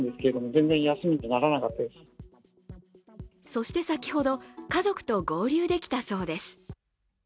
そして先ほど、家族と合流できたそうです。